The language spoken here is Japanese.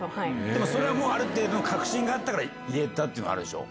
でもそれはある程度の確信があったから言えたっていうのあるでしょ？